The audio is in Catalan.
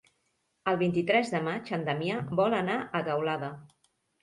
El vint-i-tres de maig en Damià vol anar a Teulada.